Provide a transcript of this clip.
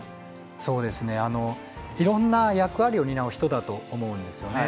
そうですねあのいろんな役割を担う人だと思うんですよね。